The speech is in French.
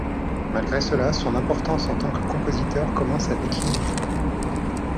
Malgré cela, son importance en tant que compositeur commence à décliner.